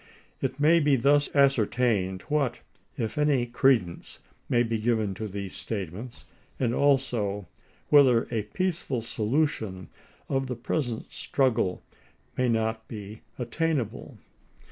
It may t0L^°oin be thus ascertained what, if any, credence may be given Dec. 8, 1862. to these statements, and also whether a peaceful solution by ms. of the present struggle may not be attainable.